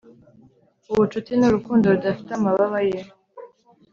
ubucuti ni urukundo rudafite amababa ye